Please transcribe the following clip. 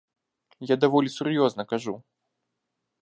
Я даволі сур'ёзна кажу.